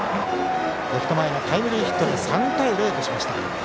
レフト前へのタイムリーヒットで３対０としました。